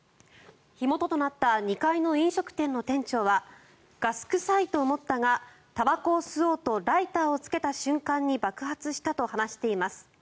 火元となった２階の飲食店の店長はガス臭いと思ったがたばこを吸おうとライターをつけた瞬間に爆発したと話しています。